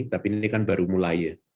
tapi ini kan baru mulai ya